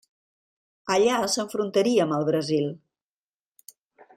Allà s'enfrontaria amb el Brasil.